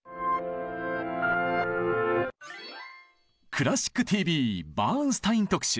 「クラシックＴＶ」バーンスタイン特集。